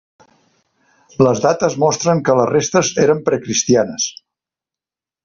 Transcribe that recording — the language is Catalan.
Les dates mostren que les restes eren precristianes.